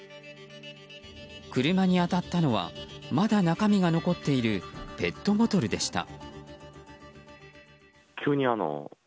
車に当たったのはまだ中身が残っているペットボトルでした。